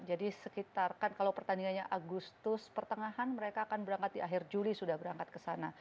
jadi sekitar kan kalau pertandingannya agustus pertengahan mereka akan berangkat di akhir juli sudah berangkat ke sana